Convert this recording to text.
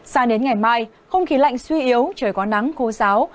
sáng đến ngày mai không khí lạnh suy yếu trời có nắng khô sáo